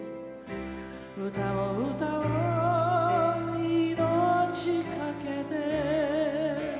「歌を歌おう生命かけて」